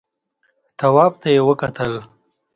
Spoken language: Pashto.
تواب ته يې وکتل.